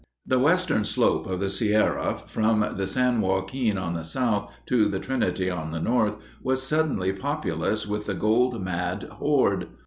The western slope of the Sierra from the San Joaquin on the south to the Trinity on the north was suddenly populous with the gold mad horde.